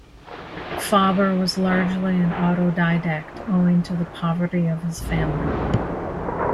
Fabre was largely an autodidact, owing to the poverty of his family.